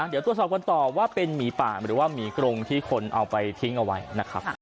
เดี๋ยวตรวจสอบกันต่อว่าเป็นหมีป่าหรือว่าหมีกรงที่คนเอาไปทิ้งเอาไว้นะครับ